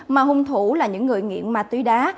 mà hung thủ là những người nghiện ma túy đá